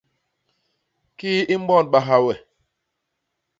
Kii i môdbaha we?